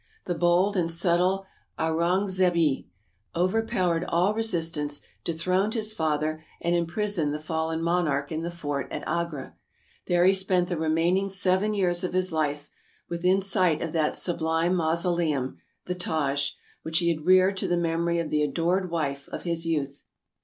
The bold and subtle Aurungzebe overpowered all resistance, dethroned his father, and imprisoned the fallen monarch in the fort at Agra. There he spent the remain ing seven years of his life, within sight of that sublime mausoleum, the Taj, which he had reared to the memory of the adored wife of his youth.